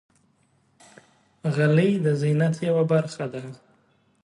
غلۍ د زینت یوه برخه ده.